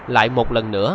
lại một lần nữa